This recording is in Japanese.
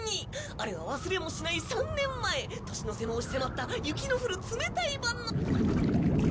あれは忘れもしない３年前年の瀬も押し迫った雪の降る冷たい晩の。